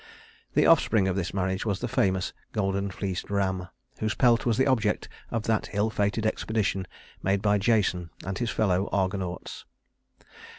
The offspring of this marriage was the famous golden fleeced ram, whose pelt was the object of that ill fated expedition made by Jason and his fellow Argonauts.